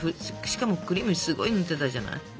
しかもクリームすごいぬってたじゃない。